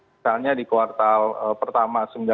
misalnya di kuartal pertama sembilan tujuh puluh empat